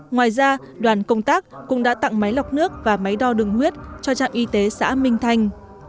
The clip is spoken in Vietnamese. ngoài ra đoàn công tác cũng đã tặng máy lọc nước và máy đo đường huyết cho trạm y tế xã minh thanh